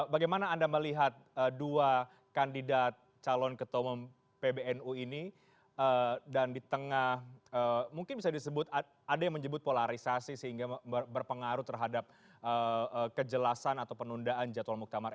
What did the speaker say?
bagaimana anda melihat dua kandidat calon ketua umum pbnu ini dan di tengah mungkin bisa disebut ada yang menyebut polarisasi sehingga berpengaruh terhadap kejelasan atau penundaan jadwal muktamar